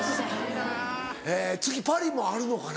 次パリもあるのかな？